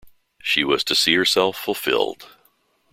She was to see herself fulfilled.